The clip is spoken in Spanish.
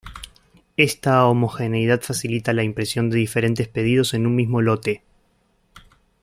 Esta homogeneidad facilita la impresión de diferentes pedidos en un mismo lote.